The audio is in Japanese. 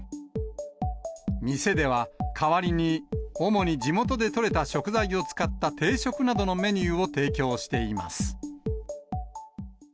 店では、代わりに主に地元で取れた食材を使った定食などのメニューを提供しています。